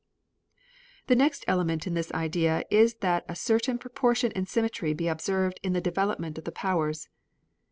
The next element in this idea is that a certain proportion and symmetry be observed in the development of the powers.